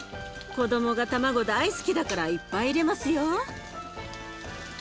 子どもが卵大好きだからいっぱい入れますよ。